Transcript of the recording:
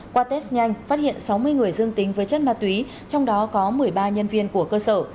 qua test nhanh phát hiện sáu mươi người dương tính với chất ma túy trong đó có một mươi ba nhân viên của cơ sở